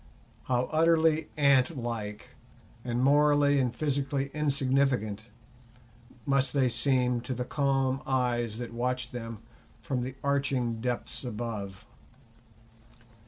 How utterly antlike, and morally and physically insignificant, must they seem to the calm eyes that watch them from the arching depths above!